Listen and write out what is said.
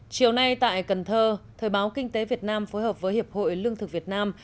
chiều nay tại cần thơ thời báo kinh tế việt nam phối hợp với hiệp hội lương thực việt nam